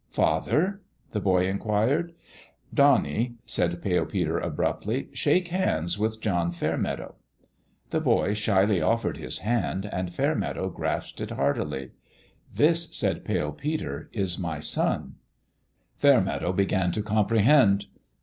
"Father?" the boy inquired. "Donnie," said Pale Peter, abruptly, "shake hands with Jack Fairmeadow." The boy shyly offered his hand, and Fair meadow grasped it heartily. "This/' said Pale Peter, "is my son." Fairmeadow began to comprehend.